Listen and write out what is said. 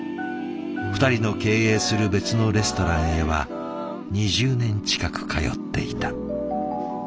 ２人の経営する別のレストランへは２０年近く通っていた。